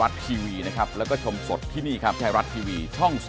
สวัสดีครับพี่